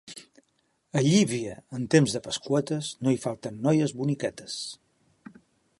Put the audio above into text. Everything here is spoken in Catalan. A Llívia, en temps de Pasqüetes, no hi falten noies boniquetes.